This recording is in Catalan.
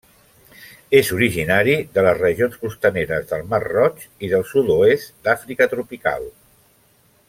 És originari de les regions costaneres del Mar Roig i del sud-oest d'Àfrica tropical.